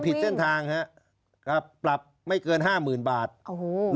ผิดเส้นทางฮะครับปรับไม่เกินห้าหมื่นบาทโอ้โห